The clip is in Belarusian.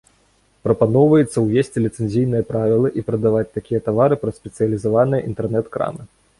Прапаноўваецца ўвесці ліцэнзійныя правілы і прадаваць такія тавары праз спецыялізаваныя інтэрнэт-крамы.